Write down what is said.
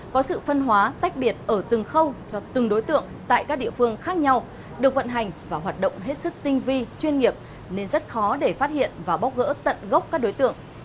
có sự phân hóa tách biệt ở từng khâu cho từng đối tượng tại các địa phương khác nhau được vận hành và hoạt động hết sức tinh vi chuyên nghiệp nên rất khó để phát hiện và bóc gỡ tận gốc các đối tượng